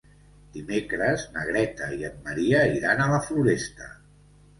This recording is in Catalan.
Dimecres na Greta i en Maria iran a la Floresta.